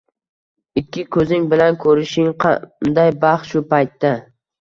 Ikki ko‘zing bilan ko‘rishing qanday baxt shu paytda!